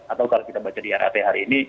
atau kalau kita baca di rap hari ini